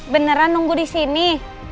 beneran nunggu di sini